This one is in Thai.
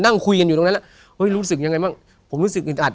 นั่งคุยกันอยู่ตรงนั้นแล้วเฮ้ยรู้สึกยังไงบ้างผมรู้สึกอึดอัด